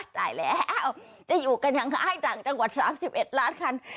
ตายแล้วจะอยู่กันอย่างค่ายต่างจังหวัด๓๑ล้านคัน